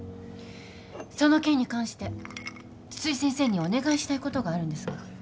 その件に関して津々井先生にお願いしたいことがあるんですが。